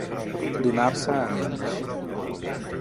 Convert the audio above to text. Donar-se a menys.